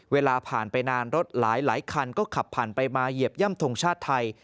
เวลาผ่านไปนานรถหลายคันก็ขับผ่านไปมาเหยียบย่ำทงชาติไทย